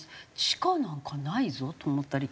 地下なんかないぞと思ったり。